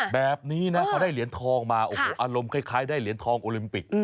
แบบนี้นะพอได้เหรียญทองมาโอ้โหอารมณ์คล้ายได้เหรียญทองโอลิมปิก